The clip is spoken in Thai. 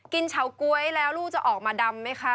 เฉาก๊วยแล้วลูกจะออกมาดำไหมคะ